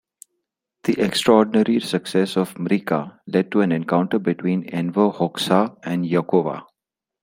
The extraordinary success of "Mrika" led to an encounter between Enver Hoxha and Jakova.